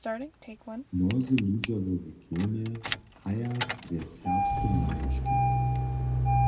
Mnozy ludźo w regionje haja drje serbske nałožki.